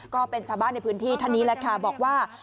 ก็เป็นชาวบ้านในพื้นที่ท่านนี้แหละค่ะบอกว่า